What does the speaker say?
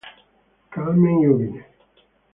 Carmen Iovine